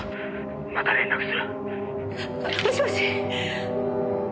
「また連絡する」もしもし？